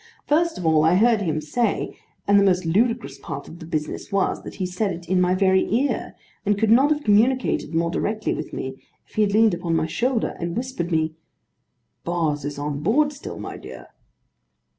First of all I heard him say: and the most ludicrous part of the business was, that he said it in my very ear, and could not have communicated more directly with me, if he had leaned upon my shoulder, and whispered me: 'Boz is on board still, my dear.